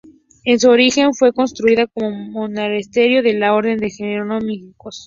En su origen fue construida como monasterio de la Orden de los Jerónimos.